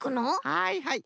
はいはい。